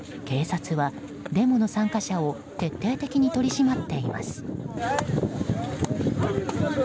警察は、デモの参加者を徹底的に取り締まっています。